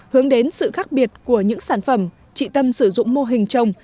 hướng đến sự khác biệt của những sản phẩm chị tâm sử dụng mô hình trồng